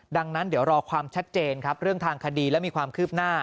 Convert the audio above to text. ดังนั้นเดี๋ยวรอความชัดเจนครับเรื่องทางคดีและมีความคืบหน้า